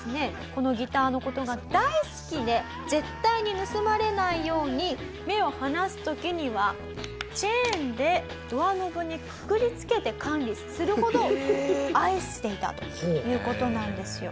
このギターの事が大好きで絶対に盗まれないように目を離す時にはチェーンでドアノブにくくり付けて管理するほど愛していたという事なんですよ。